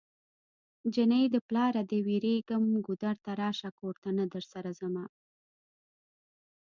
جنۍ د پلاره دی ويريږم ګودر ته راشه کور ته نه درسره ځمه